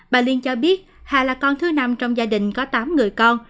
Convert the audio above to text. bà liên cho biết hà là con thứ năm trong gia đình có tám người con